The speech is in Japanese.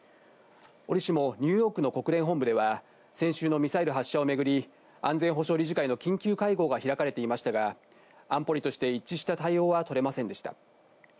おりしもニューヨークの国連本部では先週のミサイル発射をめぐり、安全保障理事会の緊急会合が開かれていましたが、安保理として一致した対応は取れませんでした。